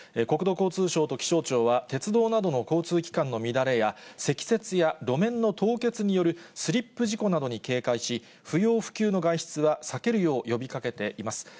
国土交通省と気象庁は、鉄道などの交通機関の乱れや、積雪や路面の凍結によるスリップ事故などに警戒し、不要不急の外出は避けるよう呼びかけています。